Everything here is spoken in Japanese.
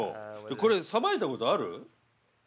これ、さばいたことある？